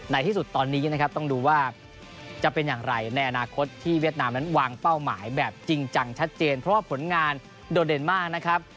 ในที่สุดตอนนี้นะครับต้องดูว่าจะเป็นอย่างไรในอนาคตที่เวียดนามนั้นวางเป้าหมายแบบจริงจังชัดเจนเพราะว่าผลงานโดดเด่นมากนะครับ